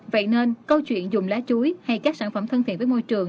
vậy nên câu chuyện dùng lá chuối hay các sản phẩm thân thiện với môi trường